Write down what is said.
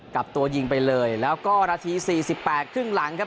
กลับตัวยิงไปเลยแล้วก็นาที๔๘ครึ่งหลังครับ